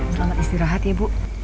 selamat istirahat ya bu